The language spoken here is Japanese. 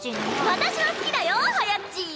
私は好きだよはやっち。